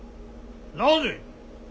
なぜ。